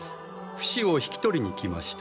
フシを引き取りに来ました。